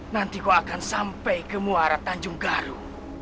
nanti kau akan sampai ke muara tanjung garu